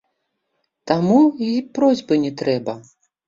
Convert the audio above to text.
Таму й просьбы не трэба.